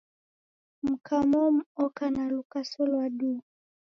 Mka muko oka na lukaso lwa duu